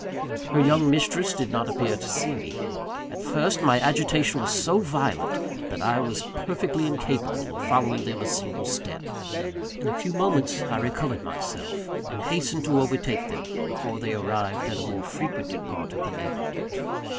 Her young mistress did not appear to see me. At first, my agitation was so violent that I was perfectly incapable of following them a single step. In a few moments I recovered myself; and hastened to overtake them, before they arrived at a more frequented part of the neighbourhood.